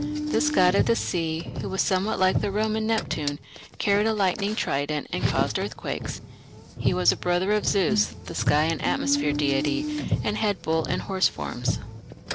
This god of the sea, who is somewhat like the Roman Neptune, carried a lightning trident and caused earthquakes. He was a brother of Zeus, the sky and atmosphere deity, and had bull and horse forms.